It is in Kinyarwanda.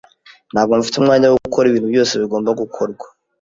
Ntabwo mfite umwanya wo gukora ibintu byose bigomba gukorwa.